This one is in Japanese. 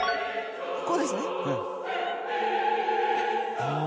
こうですね。